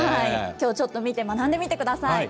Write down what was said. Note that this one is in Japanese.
きょうちょっと見て学んでみてください。